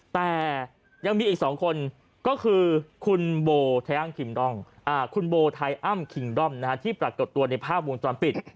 แต่ยังมีอีก๒คนก็คือคุณโบไทอัมคิมดรองท์ที่ปรากฏตัวในภาพวงค์สอนปิด